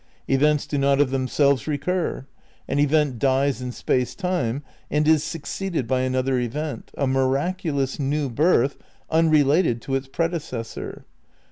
Events do not of themselves recur. An event dies in space time and is succeeded by another event, a miraculous new birth unrelated to its predecessor.